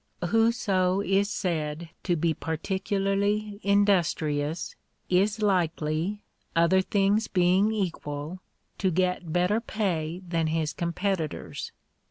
Whoso is said to be particularly industrious, is likely, other things being equal, to get better pay than his competitors.